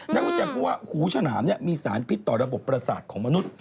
นักวิจัยเพราะว่าหูฉลามมีสารพิษต่อระบบประสาทของมนุษย